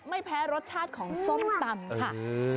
ไม่แพ้รสชาติของส้มตำค่ะ